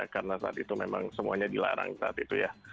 karena saat itu memang semuanya dilarang saat itu ya